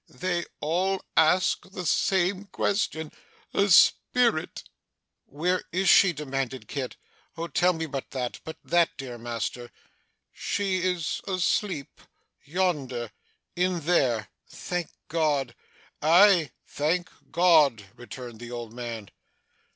'They all ask the same question. A spirit!' 'Where is she?' demanded Kit. 'Oh tell me but that, but that, dear master!' 'She is asleep yonder in there.' 'Thank God!' 'Aye! Thank God!' returned the old man.